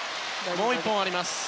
もう１本あります。